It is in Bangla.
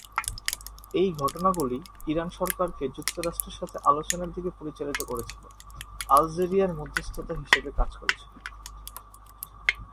এই ঘটনাগুলি ইরান সরকারকে যুক্তরাষ্ট্রের সাথে আলোচনার দিকে পরিচালিত করেছিল, আলজেরিয়া মধ্যস্থতা হিসাবে কাজ করেছিল।